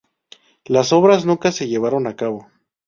Las obras nunca se llevaron a cabo.